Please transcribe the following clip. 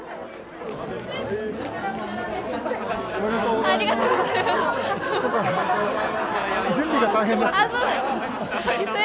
おめでとうございます。